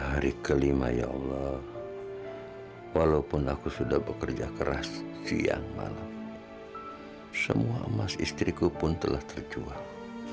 hari kelima ya allah walaupun aku sudah bekerja keras siang malam semua emas istriku pun telah terjual